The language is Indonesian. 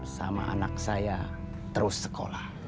sama anak saya terus sekolah